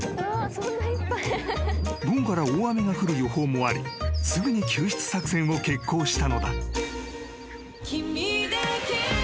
［午後から大雨が降る予報もありすぐに救出作戦を決行したのだ］